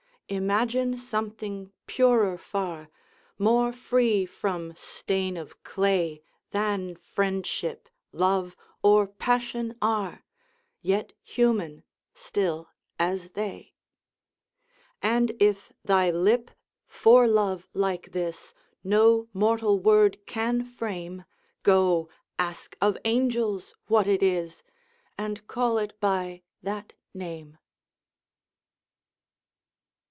Imagine something purer far, More free from stain of clay Than Friendship, Love, or Passion are, Yet human, still as they: And if thy lip, for love like this, No mortal word can frame, Go, ask of angels what it is, And call it by that name!